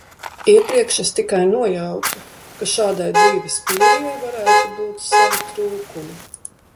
Iepriekš es tikai nojautu, ka šādai dzīves pieejai varētu būt savi trūkumi.